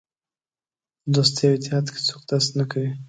په دوستۍ او اتحاد کې څوک داسې نه کوي.